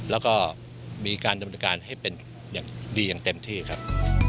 แล้วก็มีการดำเนินการให้เป็นอย่างดีอย่างเต็มที่ครับ